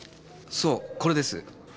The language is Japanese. そうこれです。